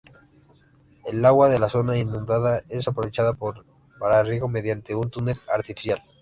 El agua de la zona inundada es aprovechada para riego mediante un túnel artificial.